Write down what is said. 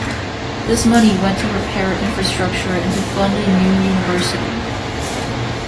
This money went to repair infrastructure and to fund a new university.